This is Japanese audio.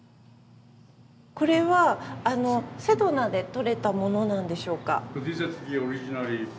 これはセドナで採れたものなんでしょうか？